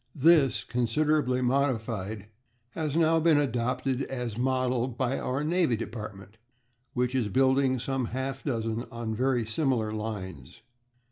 This, considerably modified, has now been adopted as model by our Navy Department, which is building some half dozen on very similar lines.